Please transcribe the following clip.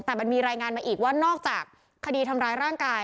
แต่มันมีรายงานมาอีกว่านอกจากคดีทำร้ายร่างกาย